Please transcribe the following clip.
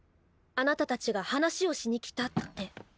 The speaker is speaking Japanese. あなたたちが話をしに来たって。